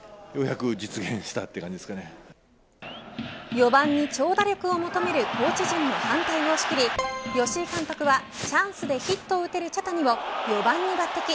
４番に長打力を求めるコーチ陣の反対をおし切り吉井監督は、チャンスでヒットを打てる茶谷を４番に抜てき。